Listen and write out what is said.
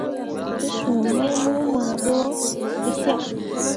Te suu mai mo maa ɓo fẽefyak.